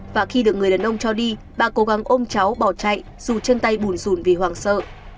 và khi được người đàn ông cho đi bà cố gắng ôm cháu bỏ chạy dù chân tay bùn rùn vì hoàng sợ